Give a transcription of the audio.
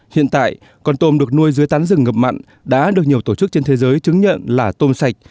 hiện tại con tôm được nuôi dưới tán rừng ngập mặn đã được nhiều tổ chức trên thế giới chứng nhận là tôm sạch